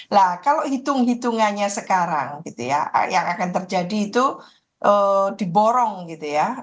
nah kalau hitung hitungannya sekarang gitu ya yang akan terjadi itu diborong gitu ya